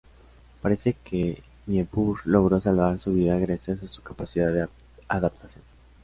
Parece que Niebuhr logró salvar su vida gracias a su capacidad de adaptación.